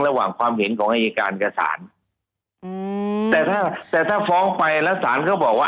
ระหว่างความเห็นของอายการกับสาร